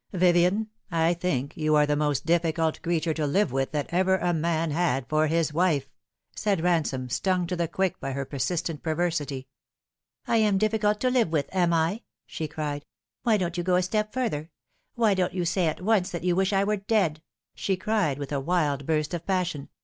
"Vivien, I think you are the most difficult creature to live with that ever a man had for his wife," said Ransome, stung to the quick by her persistent perversity. " I am difficult to live with, am I ?" she cried. " Why don't you go a step further why don't you say at once that you wish I were dead ?" she cried, with a wild burst of passion.